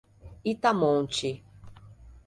Itamonte